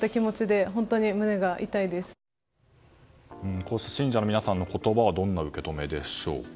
こうした信者の皆さんの言葉はどんな受け止めでしょうか。